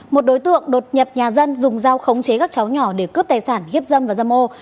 một đối tượng đột nhập nhà dân dùng dao khống chế các cháu nhỏ để cướp tài sản hiếp dâm và dâm ô